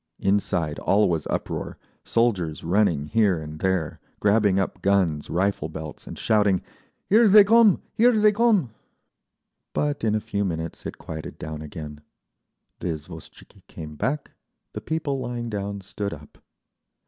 Inside all was uproar, soldiers running here and there, grabbing up guns, rifle belts and shouting, "Here they come! Here they come!" … But in a few minutes it quieted down again. The izvoshtchiki came back, the people lying down stood up.